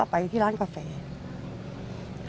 โอเคโอเค